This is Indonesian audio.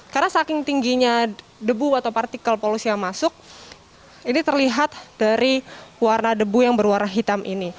karena saking tingginya debu atau partikel polusi yang masuk ini terlihat dari warna debu yang berwarna hitam ini